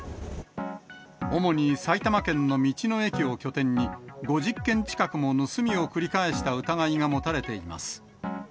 主に埼玉県の道の駅を拠点に、５０件近くも盗みを繰り返した疑いが持たれています。